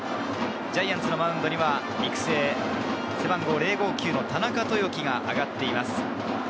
ジャイアンツのマウンドには育成背番号０５９の田中豊樹が上がっています。